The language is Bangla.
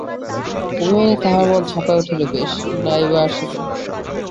অভিমানে তাহার মন ছাপাইয়া উঠিল, বেশ, নাই বা আসিল?